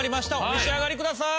お召し上がりください。